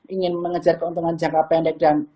ingin mengejar keuntungan jangka pendek dan